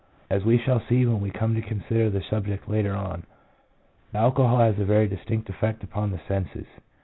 As we shall see when we come to consider the subject later on, alcohol has a very distinct effect upon the senses.